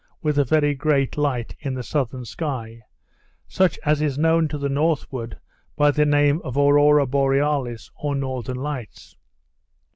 with a very great light in the southern sky, such as is known to the northward by the name of Aurora Borealis, or Northern Lights.